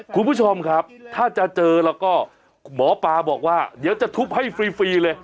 คุณผู้ชมครับถ้าจะเจอแล้วก็หมอปลาบอกว่าเดี๋ยวจะทุบให้ฟรีเลย